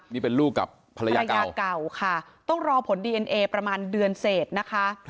นี่เป็นลูกกับภรรยาภรรยาเก่าค่ะต้องรอผลดีเอ็นเอประมาณเดือนเศษนะคะ